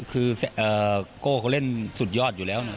คือโก้เขาเล่นสุดยอดอยู่แล้วนะ